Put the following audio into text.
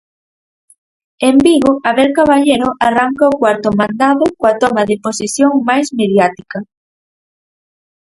En Vigo, Abel Caballero arranca o cuarto mandado coa toma de posesión máis mediática.